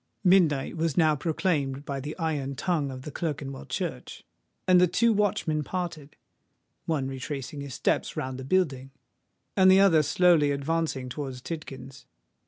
Midnight was now proclaimed by the iron tongue of Clerkenwell Church; and the two watchmen parted—one retracing his steps round the building; and the other slowly advancing towards Tidkins.